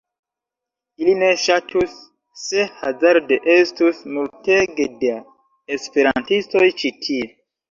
Ili ne ŝatus se hazarde estus multege da esperantistoj ĉi tie.